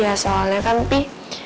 ya soalnya kan pi